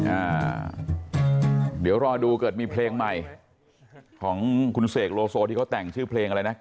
อ่าเดี๋ยวรอดูเกิดมีเพลงใหม่ของคุณเสกโลโซที่เขาแต่งชื่อเพลงอะไรนะ